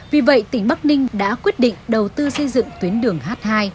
vì vậy tỉnh bắc ninh đã quyết định đầu tư xây dựng tuyến đường h hai